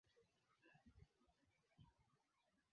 waliogopa kupotea kwa chama cha kwanza katika historia ya Kenya